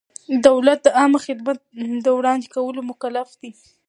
دولت د عامه خدمت د وړاندې کولو مکلف دی.